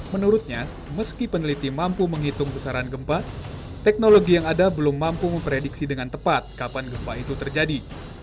menurutnya meski peneliti mampu menghitung besaran gempa teknologi yang ada belum mampu memprediksi dengan tepat kapan gempa itu terjadi